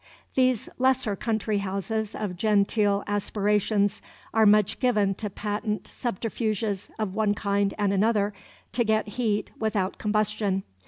These lesser country houses of genteel aspirations are much given to patent subterfuges of one kind and another to get heat without combustion.